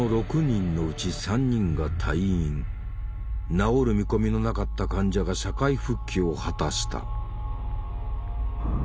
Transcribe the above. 治る見込みのなかった患者が社会復帰を果たした。